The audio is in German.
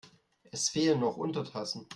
Es fehlen noch Untertassen.